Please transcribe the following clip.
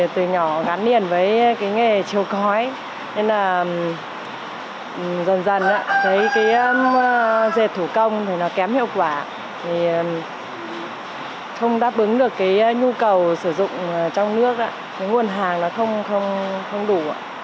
từ nhỏ gắn điền với nghề chiều cói dần dần thấy dệt thủ công kém hiệu quả không đáp ứng được nhu cầu sử dụng trong nước nguồn hàng không đủ